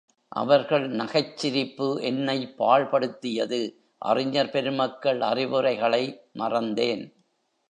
அவர்கள் நகைச்சிரிப்பு என்னைப் பாழ்படுத்தியது அறிஞர் பெருமக்கள் அறிவுரை களை மறந்தேன்.